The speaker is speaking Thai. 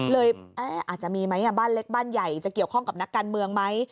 เลยอาจจะมีไหมบ้านเล็กบ้านใหญ่จะเกี่ยวข้องกับนักการเมืองไหม